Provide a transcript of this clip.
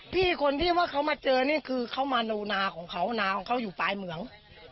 คนที่ว่าเขามาเจอนี่คือเขามาโนนาของเขานาของเขาอยู่ปลายเหมือง